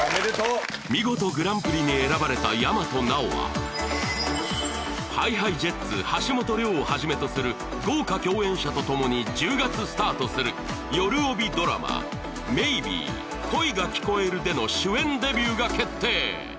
見事グランプリに選ばれた大和奈央はＨｉＨｉＪｅｔｓ橋本涼をはじめとする豪華共演者とともに１０月スタートするよるおびドラマ「Ｍａｙｂｅ恋が聴こえる」での主演デビューが決定